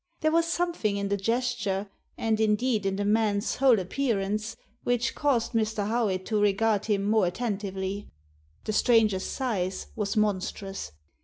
There was something in the gesture, and indeed in the man's whole appearance, which caused Mr. Howitt to regard him more at tentively. The stranger's size was monstrous.